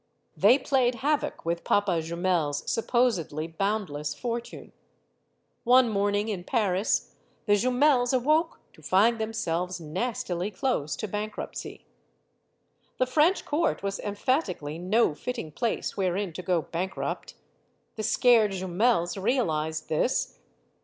They played havoc with Papa Jumel's supposedly boundless fortune. One morning in Paris, the Jumels awoke to find themselves nastily close to bankruptcy. The French court was emphatically no fitting place wherein to go bankrupt. The scared Jumels realized this.